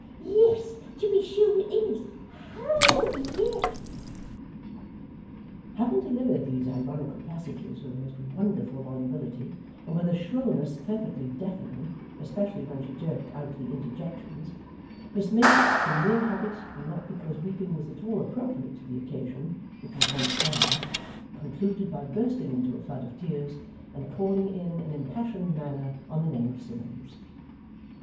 Yes, to be sure it is ho yes!' Having delivered these ironical passages with a most wonderful volubility, and with a shrillness perfectly deafening (especially when she jerked out the interjections), Miss Miggs, from mere habit, and not because weeping was at all appropriate to the occasion, which was one of triumph, concluded by bursting into a flood of tears, and calling in an impassioned manner on the name of Simmuns.